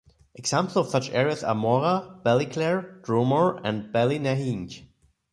Examples of such areas are Moira, Ballyclare, Dromore and Ballynahinch.